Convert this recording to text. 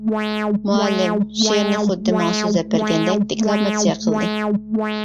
مۇئەللىم شېئىرنى خۇددى ماڭا سۆزلەپ بەرگەندەك دېكلاماتسىيە قىلدى.